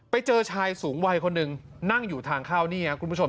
ไปเจอชายสูงวัยคนหนึ่งนั่งอยู่ทางเข้านี่ครับคุณผู้ชม